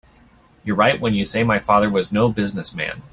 You're right when you say my father was no business man.